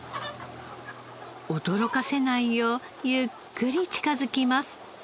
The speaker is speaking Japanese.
驚かせないようゆっくり近づきます。